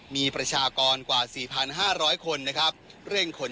มีประชากรกว่า๔๕๐๐คนนะครับเร่งขน